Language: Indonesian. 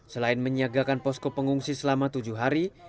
selain menyiagakan posko pengungsi selama tujuh hari